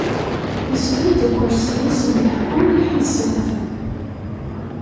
Isbedd akersi-is n leḥkem i lḥisab.